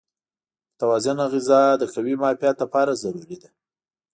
متوازن غذا د قوي معافیت لپاره ضروري ده.